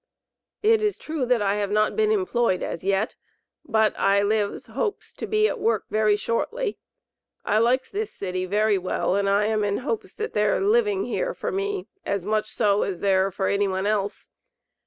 Its true that I have not been employed as yet but I lives hopes to be at work very shortly. I likes this city very well, and I am in hopes that there a living here for me as much so as there for any one else.